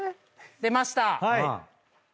出ました。